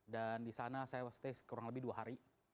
dan di sana saya stay kurang lebih dua hari